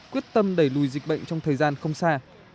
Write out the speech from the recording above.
quyết tâm đẩy lùi dịch bệnh trong thời gian không xa